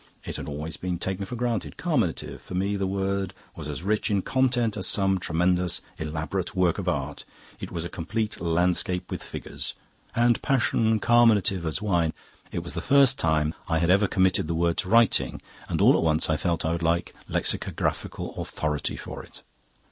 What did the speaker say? It had always been taken for granted. Carminative: for me the word was as rich in content as some tremendous, elaborate work of art; it was a complete landscape with figures. 'And passion carminative as wine...' It was the first time I had ever committed the word to writing, and all at once I felt I would like lexicographical authority for it.